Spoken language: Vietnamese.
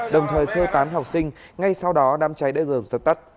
đồng thời sơ tán học sinh ngay sau đó đám cháy đã dần dập tắt